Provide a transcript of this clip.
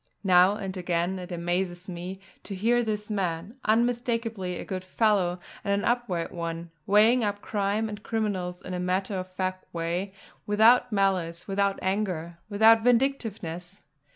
Now and again it amazed me to hear this man, unmistakably a good fellow and an upright one, weighing up crime and criminals in a matter of fact way, without malice, without anger, without vindictiveness.